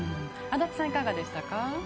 足立さんはいかがでしたか？